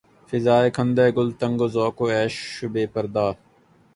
فضائے خندۂ گل تنگ و ذوق عیش بے پردا